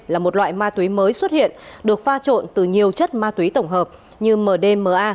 là một loại ma túy mới xuất hiện được pha trộn từ nhiều chất ma túy tổng hợp như mdma